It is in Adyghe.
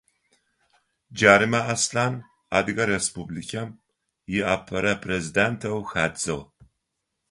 Джарымэ Аслъан Адыгэ Республикэм иапэрэ президентэу хадзыгъ.